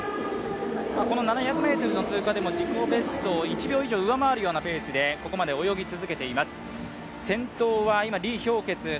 ７００ｍの通過でも自己ベストを１秒以上、上回るようなペースで泳いでいます。